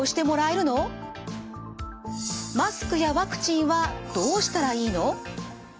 マスクやワクチンはどうしたらいいの？